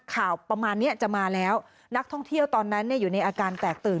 ประมาณเนี้ยจะมาแล้วนักท่องเที่ยวตอนนั้นอยู่ในอาการแตกตื่น